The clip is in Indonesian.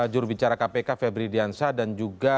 jurubicara kpk febri diansah dan juga